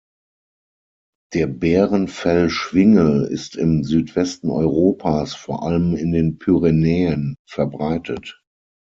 Der Bärenfell-Schwingel ist im Südwesten Europas vor allem in den Pyrenäen verbreitet.